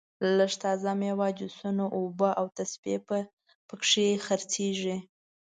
لږه تازه میوه جوسونه اوبه او تسبې په کې خرڅېږي.